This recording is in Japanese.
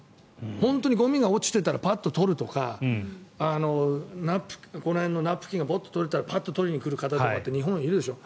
本当に、ゴミが落ちていたらパッと取るとかナプキンが取れたらパッと取りに来る方って日本とかいますでしょ。